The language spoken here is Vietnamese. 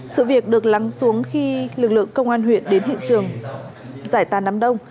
sự việc được lắng xuống khi lực lượng công an huyện đến hiện trường giải tàn đám đông